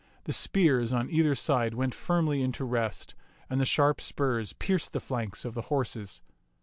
The spears on either side went firmly into rest, and the sharp spurs pierced the flanks of the horses.